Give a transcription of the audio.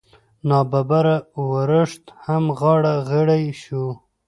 نا ببره ورښت هم غاړه غړۍ شو.